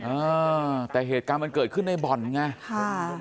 อ่าแต่เหตุการณ์มันเกิดขึ้นในบ่อนไงค่ะ